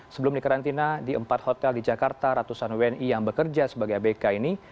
sebelum dikarantina di empat hotel di jakarta ratusan wni yang bekerja sebagai abk ini